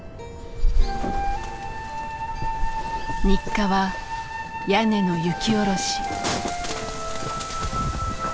日課は屋根の雪下ろし。